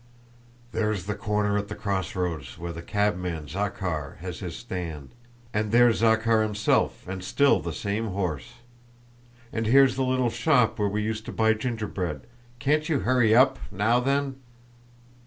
"There's the corner at the crossroads, where the cabman, Zakhár, has his stand, and there's Zakhár himself and still the same horse! And here's the little shop where we used to buy gingerbread! Can't you hurry up? Now then!"